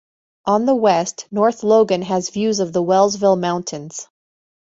On the west, North Logan has views of the Wellsville Mountains.